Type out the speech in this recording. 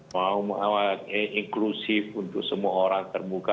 mau inklusif untuk semua orang terbuka